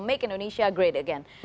make indonesia great again